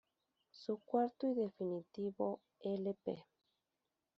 Su cuarto y definitivo l.p.